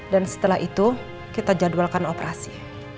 dan setelah itu kita jadwalkan operasi